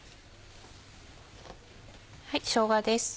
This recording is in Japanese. しょうがです。